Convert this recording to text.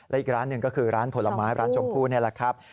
และอีกร้านหนึ่งก็คือร้านผลไม้ร้านชมพู่นี่แหละครับ